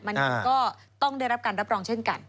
มันก็ต้องได้รับการรับรองเช่นกัน